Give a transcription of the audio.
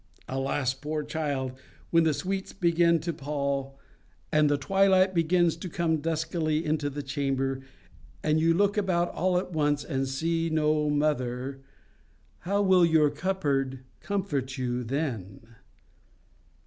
Alas! poor child! When the sweets begin to pall, and the twilight begins to come duskily into the chamber, and you look about all at once and see no mother, how will your cupboard comfort you then?